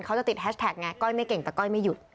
เขาจะติดแฮชแท็กไงก้อยไม่เก่งแต่ก้อยไม่หยุด